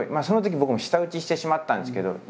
そのとき僕も舌打ちしてしまったんですけど。